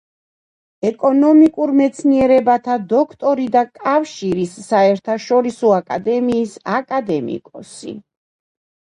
ეკონომიკურ მეცნიერებათა დოქტორი და კავშირის საერთაშორისო აკადემიის აკადემიკოსი.